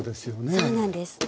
そうなんです。